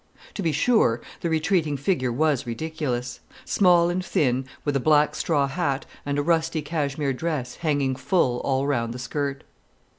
To be sure, the retreating figure was ridiculous: small and thin, with a black straw hat, and a rusty cashmere dress hanging full all round the skirt.